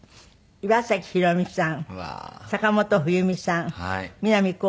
岩崎宏美さん